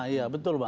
iya betul bang